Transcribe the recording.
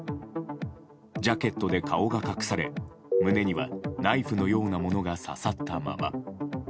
ジャケットで顔が隠され胸にはナイフのようなものが刺さったまま。